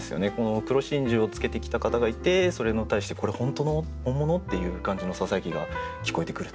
黒真珠を着けてきた方がいてそれに対して「これ本当の？」「本物？」っていう感じの囁きが聞こえてくる。